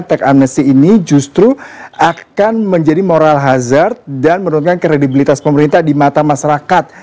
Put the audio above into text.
tech amnesty ini justru akan menjadi moral hazard dan menurunkan kredibilitas pemerintah di mata masyarakat